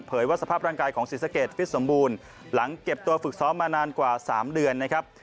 ว่าสภาพร่างกายของศรีสะเกดฟิตสมบูรณ์หลังเก็บตัวฝึกซ้อมมานานกว่า๓เดือนนะครับ